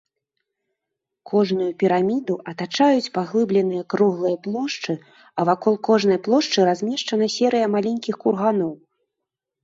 Кожную піраміду атачаюць паглыбленыя круглыя плошчы, а вакол кожнай плошчы размешчана серыя маленькіх курганоў.